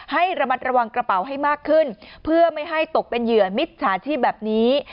ให้ระมัดระวังกระเป๋าให้มากขึ้นเพื่อไม่ให้ตกเป็นเหยื่อมิจฉาชีพแบบนี้